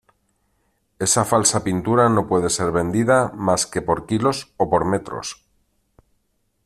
Esa falsa pintura no puede ser vendida más que por kilos o por metros"".